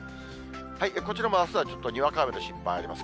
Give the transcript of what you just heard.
こちらもあすはちょっとにわか雨の心配あります。